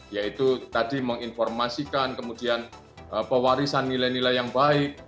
yaitu tadi menginformasikan kemudian pewarisan nilai nilai yang baik